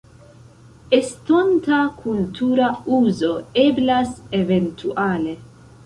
Estonta kultura uzo eblas eventuale.